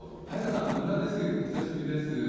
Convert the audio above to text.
早川さん、野村です、お久しぶりです。